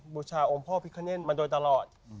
บูชาอมพ่อพิฆเน่นมันโดยตลอด